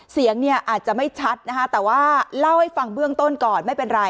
เสียงเนี่ยอาจจะไม่ชัดนะคะแต่ว่าเล่าให้ฟังเบื้องต้นก่อนไม่เป็นไร